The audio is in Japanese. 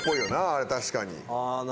あれ確かに。